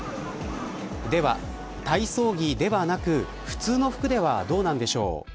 では、体操着ではなく普通の服ではどうなんでしょう。